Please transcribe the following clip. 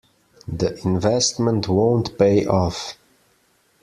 This investment won't pay off.